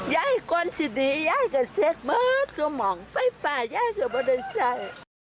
ย้ายก้อนสิดีย้ายกันเสร็จหมดคือมองไฟฟ้าย้ายก็ไม่ได้ใส่